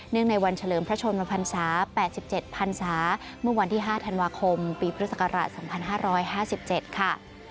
ในวันเฉลิมพระชนมพันศา๘๗พันศาเมื่อวันที่๕ธันวาคมปีพุทธศักราช๒๕๕๗ค่ะ